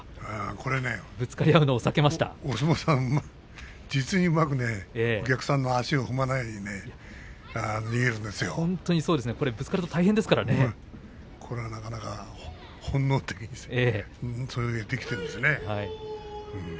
これはお相撲さんが実にうまくお客さんの足を踏まないようにこれはなかなか本能的にできているんですね。